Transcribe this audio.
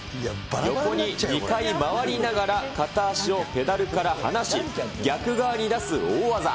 横に２回回りながら、片足をペダルから離し、逆側に出す大技。